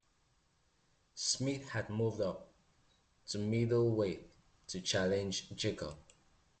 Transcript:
Smith had moved up to Middleweight to challenge Jacobs.